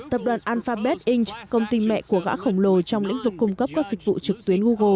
tập đoàn alphabet inc công ty mẹ của gã khổng lồ trong lĩnh vực cung cấp các dịch vụ trực tuyến google cho biết